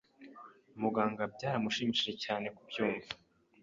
Muganga byaramushimishije cyane kubyumva